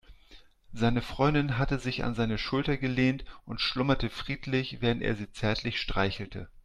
Seine Freundin hatte sich an seine Schulter gelehnt und schlummerte friedlich, während er sie zärtlich streichelte.